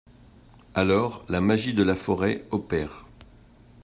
Alors, la magie de la forêt opère.